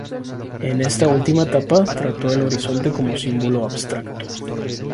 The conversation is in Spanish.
En esta última etapa, trató el horizonte como símbolo abstracto.